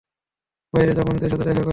বাইরে যা, বন্ধুদের সাথে দেখা কর।